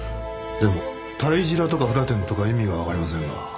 でも「たいじら」とか「ふらてん」とか意味がわかりませんが。